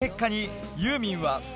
この結果に、ユーミンは。